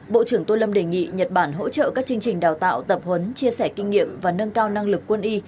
bộ trưởng tô lâm đề nghị nhật bản hỗ trợ các chương trình đào tạo tập huấn chia sẻ kinh nghiệm và nâng cao năng lực quân y